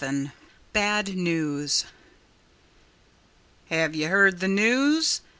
XI BAD NEWS "Have you heard the news?"